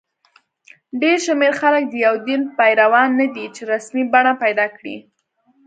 ډېر شمېر خلک د یو دین پیروان نه دي چې رسمي بڼه پیدا کړي.